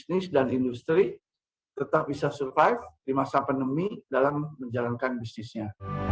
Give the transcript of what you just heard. bisnis dan industri tetap bisa survive di masa pandemi dalam menjalankan bisnisnya